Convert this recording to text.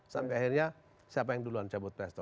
sampai akhirnya siapa yang duluan cabut presto